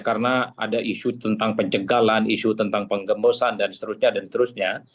karena ada isu tentang pencegalan isu tentang penggembosan dan seterusnya dan seterusnya